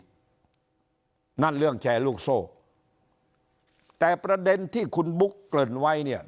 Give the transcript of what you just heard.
นั่นเรื่องแชร์ลูกโซ่แต่ประเด็นที่คุณบุ๊กเกริ่นไว้เนี่ย